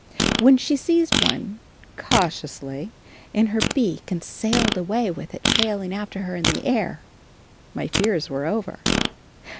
When she seized one, cautiously, in her beak and sailed away with it trailing after her in the air my fears were over.